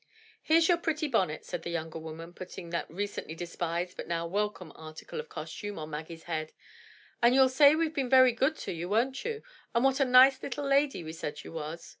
"Here's your pretty bonnet," said the younger woman, putting that recently despised but now welcome article of costume on Maggie's head; "and you'll say we've been very good to you, won't you, and what a nice little lady we said you was."